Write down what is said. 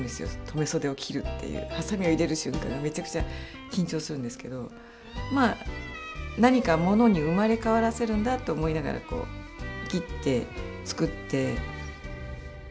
留め袖を切るっていうはさみを入れる瞬間はめちゃくちゃ緊張するんですけどまあ何かものに生まれ変わらせるんだと思いながら切って作って。